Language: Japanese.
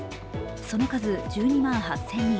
その数、１２万８０００人。